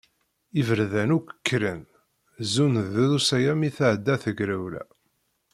Iberdan akk kkren, zun drus aya mi tɛedda tegrewla.